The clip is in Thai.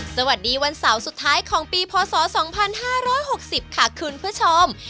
สวัสดีวันเสาร์สุดท้ายของปีพศ๒๕๖๐ค่ะคุณผู้ชม